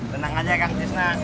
tenang aja kang cisna